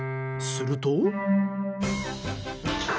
すると。